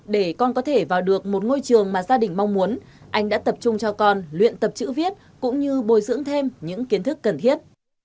để con có thể vào được một ngôi trường mà gia đình mong muốn anh đã tập trung cho con luyện tập chữ viết cũng như bồi dưỡng thêm những kiến thức cần thiết